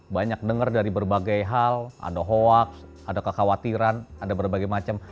banyak dengar dari berbagai hal ada hoax ada kekhawatiran ada berbagai macam